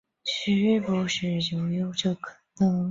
古九寒更发现武功高强的石榴样貌一样。